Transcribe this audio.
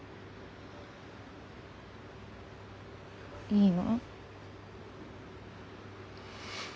いいの？